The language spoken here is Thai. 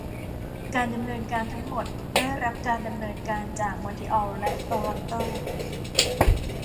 การดำเนินการทั้งหมดได้รับการดำเนินการจากมอนทรีออลและโตรอนโต